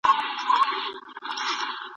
د مغلو حکومت له سختو ننګونو سره مخ و.